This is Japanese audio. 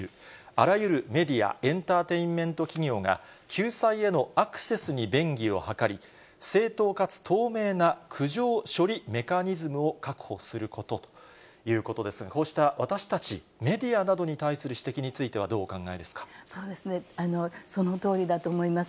あらゆるメディア、エンターテインメント企業が、救済へのアクセスに便宜を図り、正当かつ透明な苦情処理メカニズムを確保することということですが、こうした私たちメディアなどに対する指摘についてはどうお考えでそのとおりだと思います。